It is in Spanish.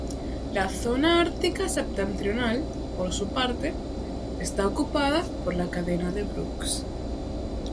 La zona ártica septentrional, por su parte, está ocupada por la cadena de Brooks.